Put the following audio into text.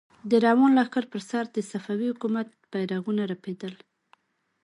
د روان لښکر پر سر د صفوي حکومت بيرغونه رپېدل.